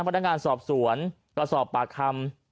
พนักงานสอบสวนก็สอบปากคำ